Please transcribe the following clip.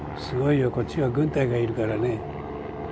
すごいよ、こっちは軍隊がいるからね。